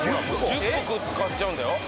１０個買っちゃうんだよ。